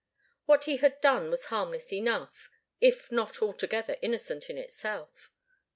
What he had done was harmless enough, if not altogether innocent, in itself.